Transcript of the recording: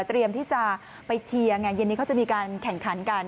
เตรียมที่จะไปเชียร์ไงเย็นนี้เขาจะมีการแข่งขันกัน